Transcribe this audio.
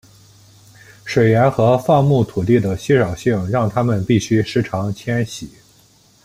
水源和放牧土地的稀少性让他们必须时常迁徙。